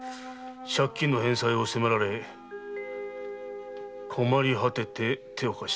借金の返済を迫られ困り果てて手を貸したってとこかな？